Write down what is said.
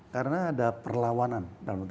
karena ada perlawanan